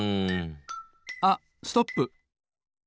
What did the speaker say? あっストップ！